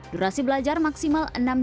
durasi belajar maksimal satu hari